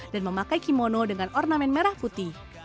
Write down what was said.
dan memakai kimono dengan ornamen merah putih